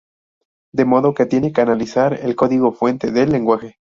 De modo que tienen que analizar el código fuente del lenguaje.